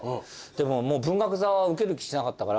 でももう文学座は受ける気しなかったから。